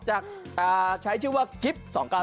จากใช้ชื่อว่ากิ๊บ๒๙๒๙